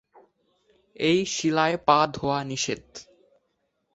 এই শিলায় পা ধোয়া নিষেধ।